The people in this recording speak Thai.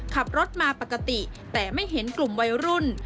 ขับรถมาปกติแต่ไม่เห็นกลุ่มวัยรุ่น